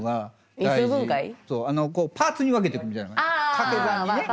かけ算にね。